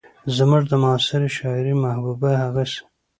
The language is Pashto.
زموږ د معاصرې شاعرۍ محبوبه هغسې